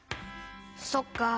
☎そっか。